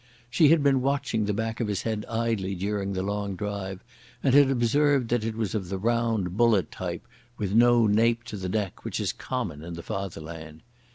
She had been watching the back of his head idly during the long drive, and had observed that it was of the round bullet type, with no nape to the neck, which is common in the Fatherland.